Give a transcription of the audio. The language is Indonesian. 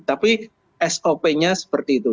tapi sop nya seperti itu